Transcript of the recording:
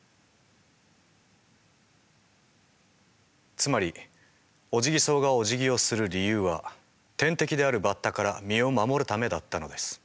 つまりオジギソウがおじぎをする理由は天敵であるバッタから身を守るためだったのです。